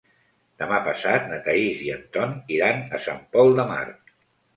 Demà passat na Thaís i en Ton iran a Sant Pol de Mar.